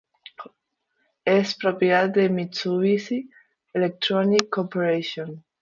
Es propiedad de Mitsubishi Electric Corporation.